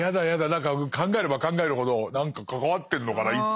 何か考えれば考えるほど何か関わってるのかなどっかで。